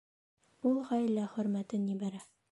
Ул ғаилә хөрмәтен ебәрә.